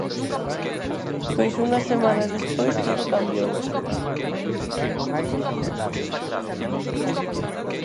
Pois unhas semanas despois todo cambiou.